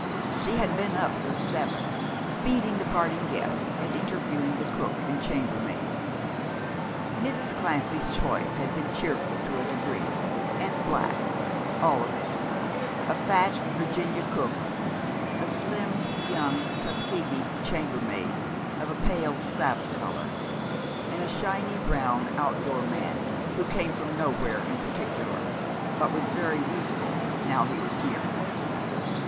She had been up since seven, speeding the parting guests and interviewing the cook and chambermaid. Mrs. Clancy's choice had been cheerful to a degree, and black, all of it; a fat Virginia cook, a slim young Tuskegee chambermaid of a pale saddle color, and a shiny brown outdoor man who came from nowhere in particular, but was very useful now he was here.